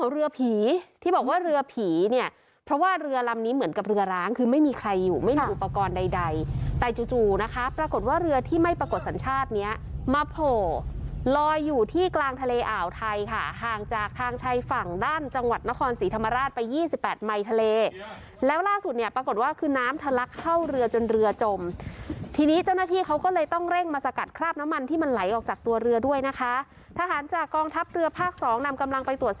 เรือผีที่บอกว่าเรือผีเนี่ยเพราะว่าเรือลำนี้เหมือนกับเรือร้างคือไม่มีใครอยู่ไม่มีอุปกรณ์ใดใดแต่จู่นะคะปรากฏว่าเรือที่ไม่ปรากฏสัญชาติเนี้ยมะโผลอยอยู่ที่กลางทะเลอ่าวไทยค่ะห่างจากทางชายฝั่งด้านจังหวัดนครสีธรรมราชไปยี่สิบแปดไมค์ทะเลแล้วล่าสุดเนี่ยปรากฏว่าคือน้ำทะลักเข้า